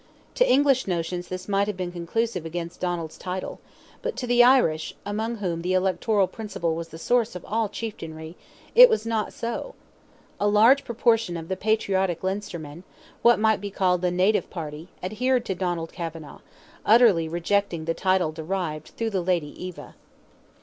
To English notions this might have been conclusive against Donald's title, but to the Irish, among whom the electoral principle was the source of all chieftainry, it was not so. A large proportion of the patriotic Leinstermen—what might be called the native party—adhered to Donald Kavanagh, utterly rejecting the title derived through the lady Eva.